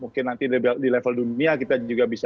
mungkin nanti di level dunia kita juga bisa